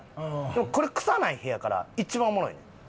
でもこれ臭ない屁やから一番おもろいねん。